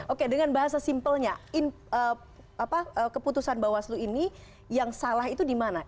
oke dengan bahasa simpelnya keputusan bawaslu ini yang salah itu di mana